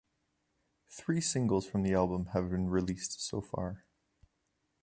Three singles from the album have been released so far.